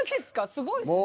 すごいっすね。